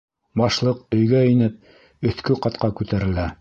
Башлыҡ, өйгә инеп, өҫкө ҡатҡа күтәрелә.